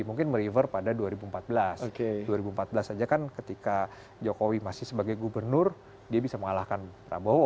mungkin merifer pada dua ribu empat belas dua ribu empat belas saja kan ketika jokowi masih sebagai gubernur dia bisa mengalahkan prabowo